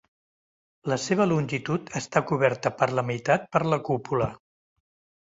La seva longitud està coberta per la meitat per la cúpula.